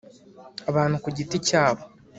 Abantu ku giti cyabo